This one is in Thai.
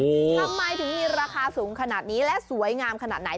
ทำไมถึงมีราคาสูงขนาดนี้และสวยงามขนาดไหน